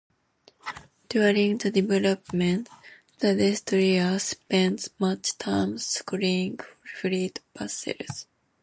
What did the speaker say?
During the deployment, the destroyer spent much time screening fleet vessels.